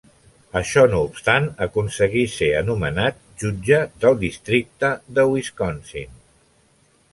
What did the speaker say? Això no obstant, aconseguí ser anomenat jutge del districte de Wisconsin.